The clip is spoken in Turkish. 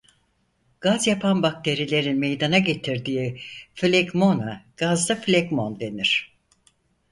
Gaz yapan bakterilerin meydana getirdiği flegmona gazlı flegmon denir.